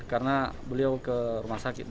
karena beliau ke rumah sakit